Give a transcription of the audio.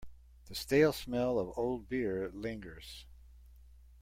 The stale smell of old beer lingers.